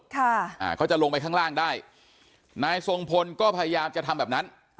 ค่ะอ่าเขาจะลงไปข้างล่างได้นายทรงพลก็พยายามจะทำแบบนั้น